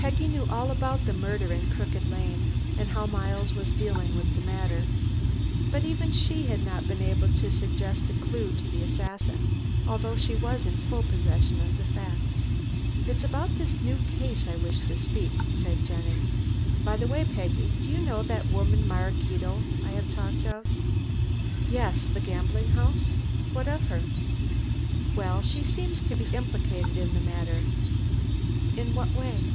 Peggy knew all about the murder in Crooked Lane, and how Miles was dealing with the matter. But even she had not been able to suggest a clue to the assassin, although she was in full possession of the facts. "It's about this new case I wish to speak," said Jennings. "By the way, Peggy, you know that woman Maraquito I have talked of?" "Yes. The gambling house. What of her?" "Well, she seems to be implicated in the matter." "In what way?"